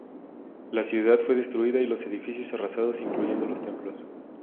La ciudad fue destruida, y los edificios arrasados, incluyendo los templos.